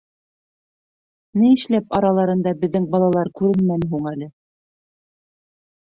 — Ни эшләп араларында беҙҙең балалар күренмәне һуң әле?